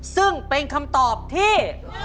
ซึ่งเป็นคำตอบที่